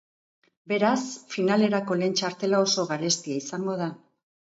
Beraz, finalerako lehen txartela oso garestia izango da.